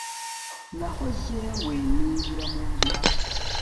naho jyewe, ninjira mu nzu yawe